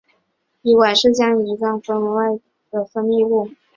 胰管是将胰脏外分泌腺的分泌物。